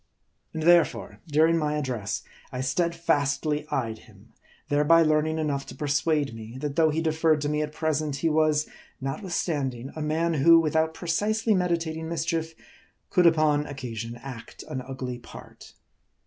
And therefore during my address, I steadfastly eyed him ; thereby learning enough to persuade me, that though he de ferred to me at present, he was, notwithstanding, a man who, without precisely meditating mischief, could upon oc casion act an ugly part.